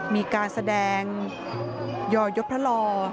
มีการแสดงยอยศพลอ